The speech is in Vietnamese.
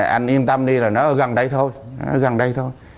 anh yên tâm đi là nó ở gần đây thôi